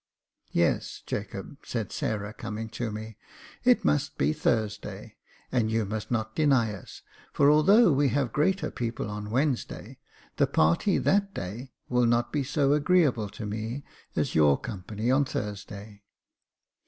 " Yes, Jacob," said Sarah, coming to me, *' it must be Thursday, and you must not deny us ; for although we have greater people on Wednesday, the party that day will not be so agreeable to me as your company on Thursday."